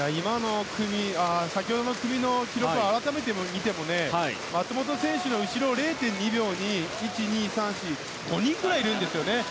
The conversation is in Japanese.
先ほどの組の記録は改めて見ても松元選手の後ろ０．２秒に５人ぐらいいるんですね。